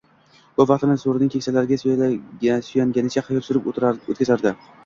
Koʻp vaqtini soʻrining kesakilariga suyanganicha, xayol surib oʻtkazardi.